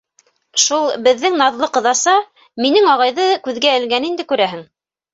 — Шул, беҙҙең наҙлы ҡоҙаса, минең ағайҙы күҙгә элгән инде, күрәһең.